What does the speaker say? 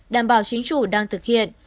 đảm bảo chính chủ đang thực hiện